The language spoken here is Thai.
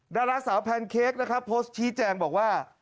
ดาราสาวแพนเค้กนะครับโพสต์ชี้แจงบอกว่า